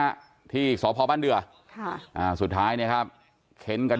ฮะที่สพบ้านเดือค่ะอ่าสุดท้ายเนี่ยครับเค้นกัน